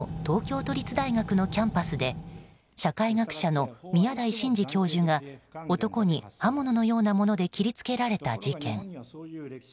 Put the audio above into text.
東京・八王子市の東京都立大学のキャンパスで社会学者の宮台真司教授が男に刃物のようなもので切り付けられた事件。